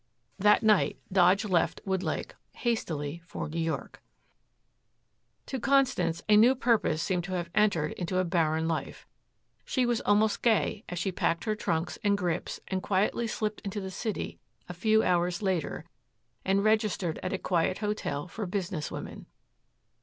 That night Dodge left Woodlake hastily for New York. To Constance a new purpose seemed to have entered into a barren life. She was almost gay as she packed her trunks and grips and quietly slipped into the city a few hours later and registered at a quiet hotel for business women.